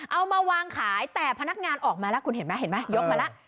เอามาวางขายแต่พนักงานออกมาแล้วคุณเห็นไหมเห็นไหมยกมาแล้ว